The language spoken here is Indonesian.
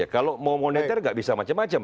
kalau mau moneter nggak bisa macam macam